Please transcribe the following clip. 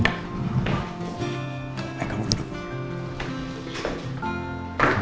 nah kamu duduk